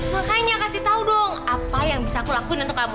makanya kasih tau dong apa yang bisa aku lakuin untuk kamu